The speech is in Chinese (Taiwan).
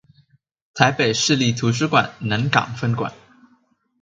臺北市立圖書館南港分館